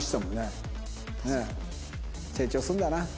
成長するんだな。